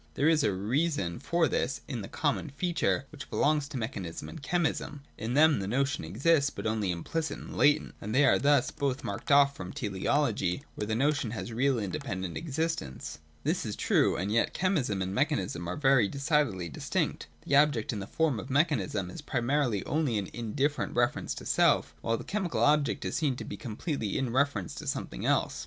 There is a reason for this in the common feature which belongs to mechanism and chemism. In them the notion exists, but only implicit and latent, and they are thus both marked off from teleology where the notion has real independent existence. This is true : and yet chemism and mechanism are very decidedly distinct. The object, in the form of mechanism, is primarily only an in different reference to self, while the chemical object is seen to be completely in reference to something else.